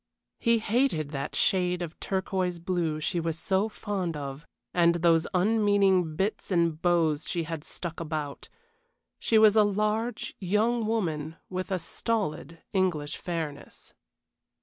He hated that shade of turquoise blue she was so fond of, and those unmeaning bits and bows she had stuck about. She was a large young woman with a stolid English fairness.